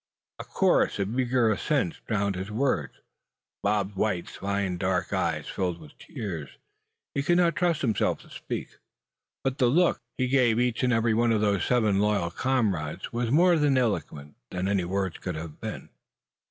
A chorus of eager assents drowned his words. Bob White's fine dark eyes filled up with tears. He could not trust himself to speak; but the look he gave each and every one of those seven loyal comrades was more eloquent than any words could have been.